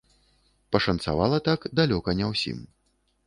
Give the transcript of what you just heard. Пашанцавала так далёка не ўсім.